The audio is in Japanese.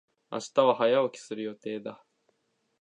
明日は早起きする予定だ。